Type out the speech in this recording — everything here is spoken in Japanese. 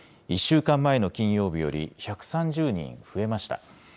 １週間前の金曜日より１３０人増えました。